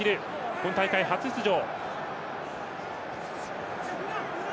今大会、初出場。